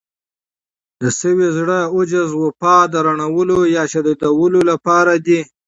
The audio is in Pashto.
د سوي زړه، عجز، وفا د رڼولو يا شديدولو لپاره دي.